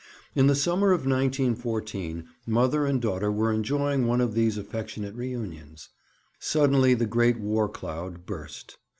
In the summer of 1914 mother and daughter were enjoying one of these affectionate reunions. Suddenly the great war cloud burst.